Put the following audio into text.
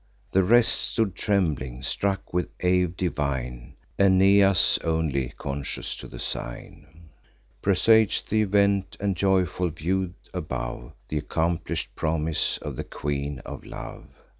The rest stood trembling, struck with awe divine; Aeneas only, conscious to the sign, Presag'd th' event, and joyful view'd, above, Th' accomplish'd promise of the Queen of Love.